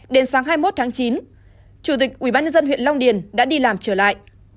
đến sáng hai mươi một tháng chín chủ tịch ubnd huyện long điền đã đi làm trở lại